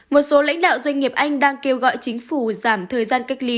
một số lãnh đạo doanh nghiệp anh đang kêu gọi chính phủ giảm thời gian cách ly